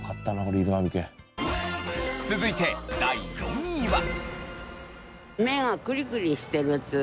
続いて第４位は。